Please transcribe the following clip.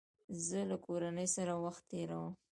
زه له کورنۍ سره وخت تېرووم.